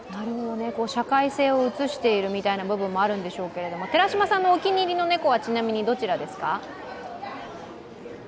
社会性を映しているみたいな部分もあるんでしょうけど、寺島さんのお気に入りの猫はちなみにどちらですか？